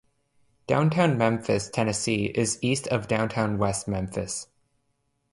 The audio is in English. Downtown Memphis, Tennessee, is east of downtown West Memphis.